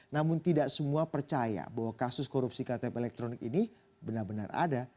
namun tidak semua percaya bahwa kasus korupsi ktp elektronik ini benar benar ada